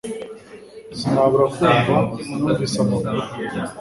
Sinabura kumva numvise amakuru